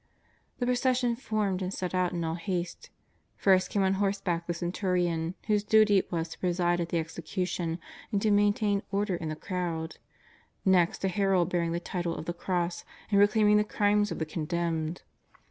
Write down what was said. The procession formed and set out in all haste. Pirst came on horseback the centurion, whose duty it was to preside at the execution and to maintain order in the crowd; next a herald bearing the title of the cross and proclaiming the crimes of the condemned.